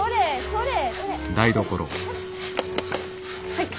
はい。